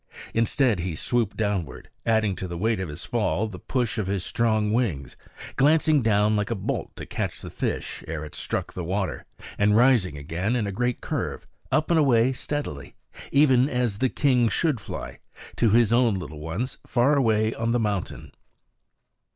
Instead he swooped downward, adding to the weight of his fall the push of his strong wings, glancing down like a bolt to catch the fish ere it struck the water, and rising again in a great curve up and away steadily, evenly as the king should fly, to his own little ones far away on the mountain.